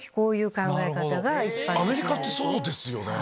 アメリカってそうですよね。